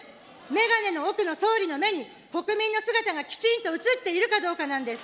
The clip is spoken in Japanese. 眼鏡の奥の総理の目に、国民の姿がきちんと映っているかどうかなんです。